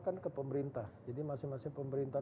kan ke pemerintah jadi masing masing pemerintah